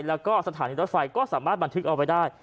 แล้วก็สถานีรถไฟก็สามารถบันทึกเอาไว้ได้